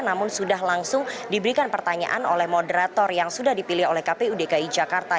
namun sudah langsung diberikan pertanyaan oleh moderator yang sudah dipilih oleh kpu dki jakarta